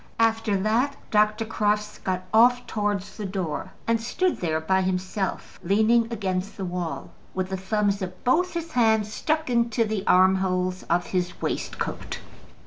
After that Dr. Crofts got off towards the door, and stood there by himself, leaning against the wall, with the thumbs of both his hands stuck into the armholes of his waistcoat.